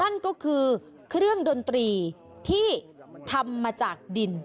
นั่นก็คือเครื่องดนตรีที่ทำมาจากดิน